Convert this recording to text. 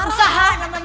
lu rusak nih kayak begini